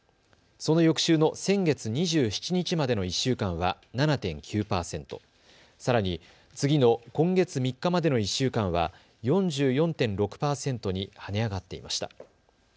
その翌週の先月２７日までの１週間は７．９％、さらに次の今月３日までの１週間は４４．６％に跳ね上がっていました。